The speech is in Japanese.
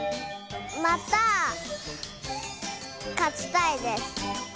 またかちたいです。